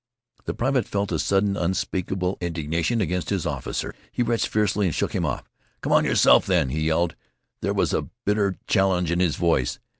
The private felt a sudden unspeakable indignation against his officer. He wrenched fiercely and shook him off. "Come on yerself, then," he yelled. There was a bitter challenge in his voice.